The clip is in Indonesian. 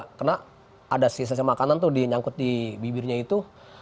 karena ada sisa sisa makanan tuh dinyangkut di bibirnya itu